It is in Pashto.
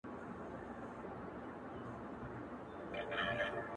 د خوشحال پر لار چي نه درومي پښتونه,